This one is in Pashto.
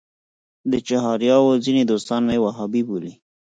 د چهاریارو ځینې دوستان مې وهابي بولي.